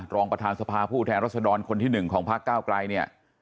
รองประธานสภาผู้แทนรัศดรคนที่๑ของพักเก้าไกลเนี่ย